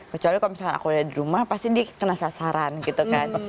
kecuali kalau misalkan aku udah di rumah pasti dia kena sasaran gitu kan